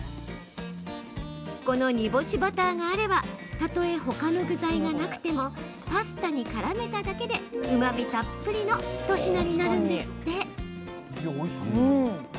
この煮干しバターがあればたとえ、ほかの具材がなくてもパスタにからめただけでうまみたっぷりの一品になるんですって。